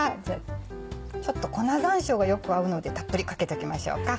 ちょっと粉山椒がよく合うのでたっぷりかけときましょうか。